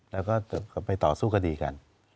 แล้วก็ไปต่อสู้คดีกัน